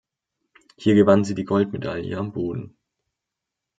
Hier gewann sie die Goldmedaille am Boden.